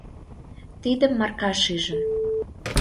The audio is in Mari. Тидым Марка шижын.